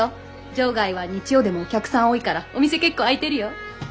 場外は日曜でもお客さん多いからお店結構開いてるよ。